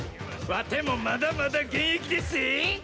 わてもまだまだ現役でっせ！